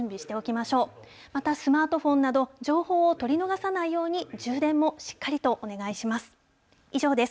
また、スマートフォンなど、情報を取り逃さないように、充電もしっかりとお願いします。